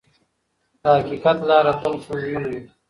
د حقیقت لاره تل ستونزمنه وي.